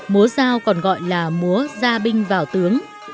múa giao còn gọi là múa gia binh vào tướng